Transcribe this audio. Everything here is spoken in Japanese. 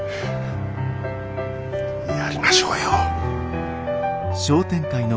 やりましょうよ。